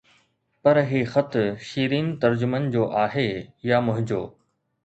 پر هي خط شيرين ترجمن جو آهي يا منهنجو